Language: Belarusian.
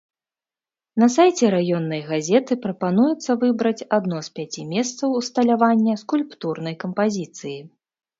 На сайце раённай газеты прапануецца выбраць адно з пяці месцаў усталявання скульптурнай кампазіцыі.